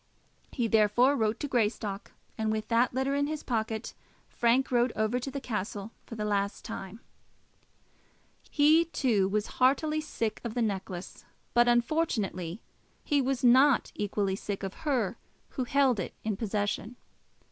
He therefore wrote to Greystock, and with that letter in his pocket, Frank rode over to the castle for the last time. He, too, was heartily sick of the necklace; but unfortunately he was not equally sick of her who held it in possession.